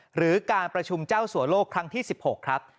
หรือการประชุมเจ้าสัวโลกครั้งที่๑๖ครับ